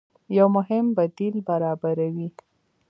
يو مهم بديل برابروي